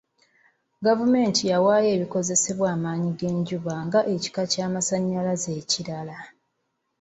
Gavumenti yawaayo ebikozesebwa by'amaanyi g'enjuba nga ekika ky'amasanyalaze ekirala.